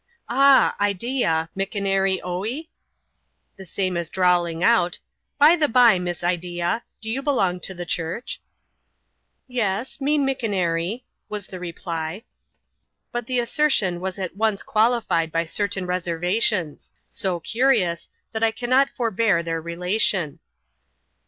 "Ah, Ideea, mickonaree oee?" the same as drawling out — "By the by, Miss Ideea, do you belong to the church?" " Yes, me mickonaree," was the reply. But the assertion was at once qualified by certain reserva tions ; so curious, that I cannot forbear their relation.